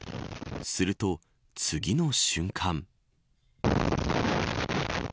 すると、次の瞬間。